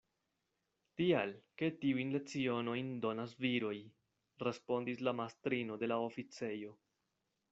Tial, ke tiujn lecionojn donas viroj, respondis la mastrino de la oficejo.